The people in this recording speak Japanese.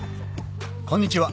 こんにちは